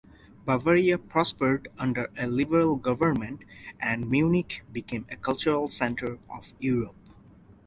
Bavaria prospered under a liberal government and Munich became a cultural centre of Europe.